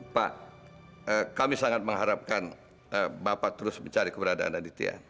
pak kami sangat mengharapkan bapak terus mencari keberadaan aditya